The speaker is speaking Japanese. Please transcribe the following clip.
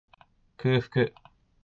空腹